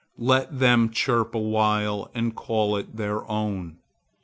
Let them chirp awhile and call it their own.